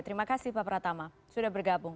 terima kasih pak pratama sudah bergabung